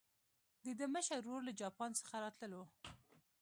د ده مشر ورور له جاپان څخه راتللو.